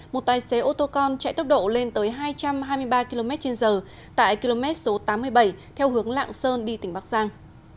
một tài xế ô tô con chạy tốc độ lên tới hai trăm hai mươi ba km trên giờ tại km số tám mươi bảy theo hướng lạng sơn đi tỉnh bắc giang